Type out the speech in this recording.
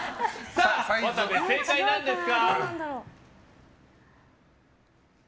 渡部、正解は何ですか？